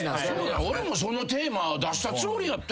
俺もそのテーマ出したつもり。